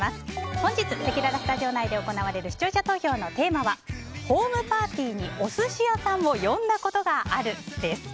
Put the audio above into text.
本日せきららスタジオ内で行われる視聴者投票のテーマはホームパーティーにお寿司屋さんを呼んだことがあるです。